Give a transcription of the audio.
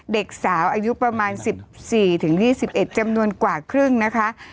เด็กสาวอายุประมาณ๑๔ถึง๒๑จำนวนกว่าครึ่งนะคะ